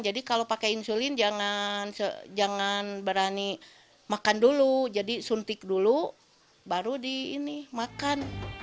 jadi kalau pakai insulin jangan berani makan dulu jadi suntik dulu baru dimakan